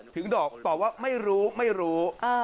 ถึงบอกว่าไม่รู้ไม่รู้